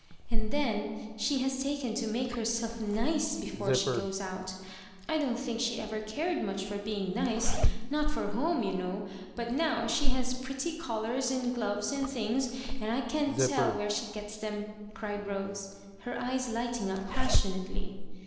*^And then she has taken to make herself nice before she goes out I don't think she ever cared much for being nice — ^not for home, you know ; but now she has pretty collars and gloves and things, and I can't teU where she gets them," cried Rose, her eyes lighting up passionately.